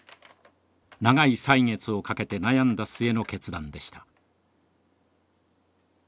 長い歳月をかけて悩んだ末の決断でした。